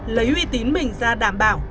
lấy uy tín mình ra đảm bảo